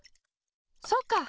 そうか！